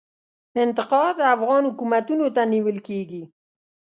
انتقاد افغان حکومتونو ته نیول کیږي.